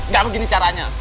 gak begini caranya